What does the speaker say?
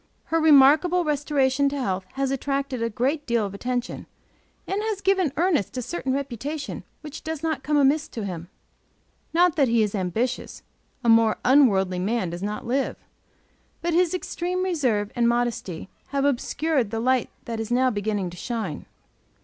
Her remarkable restoration to health has attracted a good deal of attention, and has given Ernest a certain reputation which does not come amiss to him. Not that he is ambitious; a more unworldly man does not live; but his extreme reserve and modesty have obscured the light that is now beginning to shine.